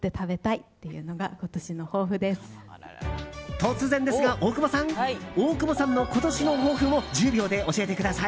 突然ですが大久保さん大久保さんの今年の抱負も１０秒で教えてください。